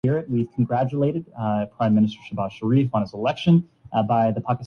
بات اتنی بڑھی کہ ان کی دوستی میں فرق آگیا